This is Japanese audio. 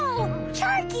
チャーキー。